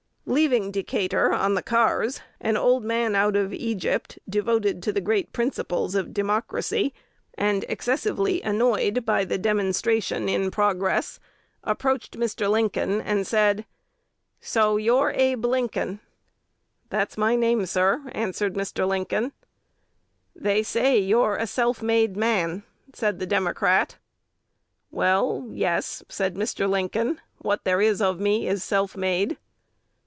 Leaving Decatur on the cars, an old man out of Egypt, devoted to the great principles of Democracy, and excessively annoyed by the demonstration in progress, approached Mr. Lincoln and said, "So you're Abe Lincoln?" "That's my name, sir," answered Mr. Lincoln. "They say you're a self made man," said the Democrat. "Well, yes," said Mr. Lincoln, "what there is of me is self made."